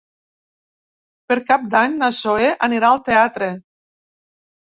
Per Cap d'Any na Zoè anirà al teatre.